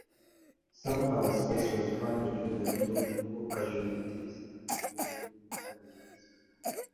Somehow space was found between the wounded war casualties who filled the carriages.